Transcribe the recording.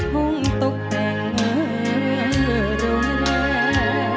ห้องตกแปลงเหมือนเกือบโรงแรม